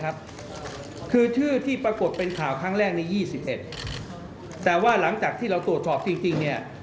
กระหน่วยต่างประเทศเท่าที่เราทำในขณะนี้นะฮะเพราะฉะนั้นอย่างยกตัวอย่างเช่นในข่าวออกตอนแรกว่า๒๑